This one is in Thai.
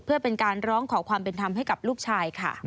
เพื่อเป็นการร้องขอความเป็นธรรมให้กับลูกชายค่ะ